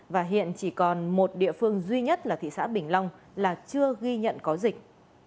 và hiện chỉ còn một địa phương duy nhất là thị xã bình long là chưa ghi nhận có dịch